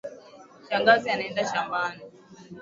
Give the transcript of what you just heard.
Shangazi anaenda shambani.